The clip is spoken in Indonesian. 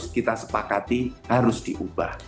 kita sepakati harus diubah